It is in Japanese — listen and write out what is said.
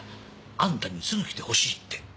あんたにすぐ来てほしいって。